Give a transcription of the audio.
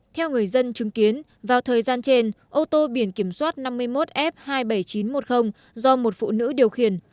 theo người dân chứng kiến vào thời gian trên ô tô biển kiểm soát năm mươi một f hai mươi bảy nghìn chín trăm một mươi do một phụ nữ điều khiển